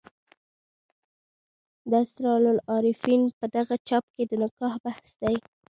د اسرار العارفین په دغه چاپ کې د نکاح بحث دی.